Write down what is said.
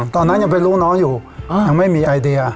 ตอนนั้นยังเป็นลูกน้องอยู่ยังไม่มีไอเดีย